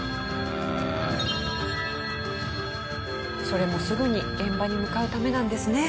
それもすぐに現場に向かうためなんですね。